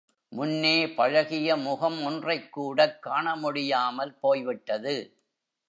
முன்னே பழகிய முகம் ஒன்றைக்கூடக் காண முடியாமல் போய்விட்டது?